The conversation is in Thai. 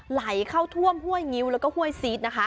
ไหลเข้าท่วมห้วยงิ้วแล้วก็ห้วยซีดนะคะ